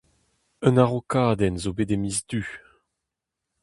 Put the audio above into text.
Un araokadenn zo bet e miz Du.